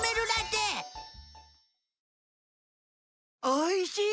おいしい！